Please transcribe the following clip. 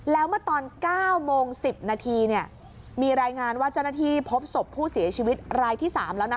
แล้วเมื่อตอน๙โมง๑๐นาทีมีรายงานว่าเจ้าหน้าที่พบศพผู้เสียชีวิตรายที่๓แล้ว